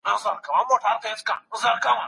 نارينه پر ښځو لوړوالی لري.